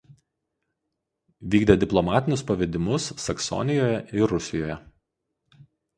Vykdė diplomatinius pavedimus Saksonijoje ir Rusijoje.